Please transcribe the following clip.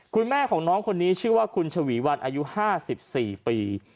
คุณแม่ของน้องคนนี้ชื่อว่าคุณชวีวันอายุ๕๔ปี